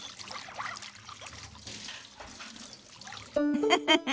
ウフフフ。